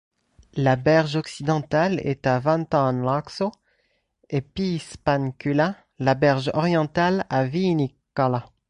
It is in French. La berge occidentale est à Vantaanlaakso et Piispankylä, la berge orientale à Viinikkala.